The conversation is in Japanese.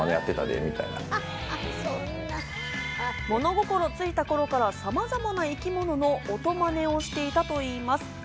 物心ついた頃からさまざまな生き物の音まねをしていたといいます。